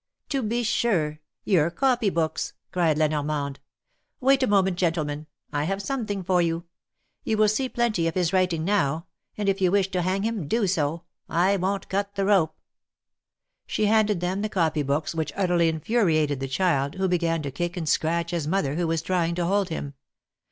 To be sure! Your copy books I" cried La Normande. Wait a moment, gentlemen ; I have something for you. You will see plenty of his writing, now; and if you wish to hang him, do so. I won't cut the rope." She handed them the copy books, which utterly infuri ated the child, who began to kick and scratch his mother, who was trying to hold him.